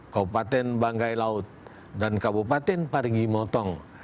kabupaten banggai laut dan kabupaten parigi motong